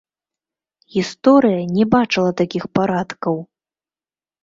Гісторыя не бачыла такіх парадкаў!